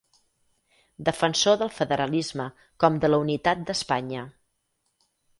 Defensor del federalisme com de la unitat d'Espanya.